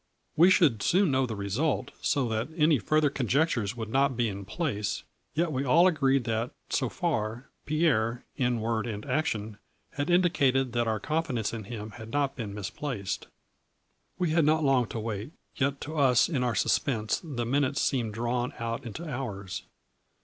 We should soon know the result so that any further conjectures would not be in place, yet we all agreed that, so far, Pierre, in word and A FLURRY II ST DIAMONDS. 195 action, had indicated that our confidence in him had not been misplaced. We had not long to wait, yet to us in our suspense the minutes seemed drawn out into hours.